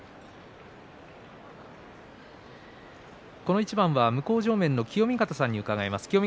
この一番は向正面の清見潟さんに伺います。